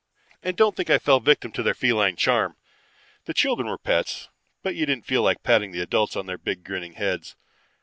"And don't think I fell victim to their feline charm. The children were pets, but you didn't feel like patting the adults on their big grinning heads.